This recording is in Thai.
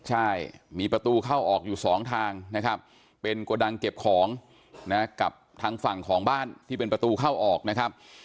ใช่มีประตูเข้าออกอยู่สองทางนะครับเป็นโกดังเก็บของนะกับทางฝั่งของบ้านที่เป็นประตูเข้าออกนะครับ